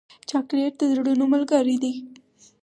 چاکلېټ د زړونو ملګری دی.